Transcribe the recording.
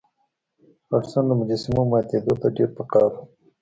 هډسن د مجسمو ماتیدو ته ډیر په قهر و.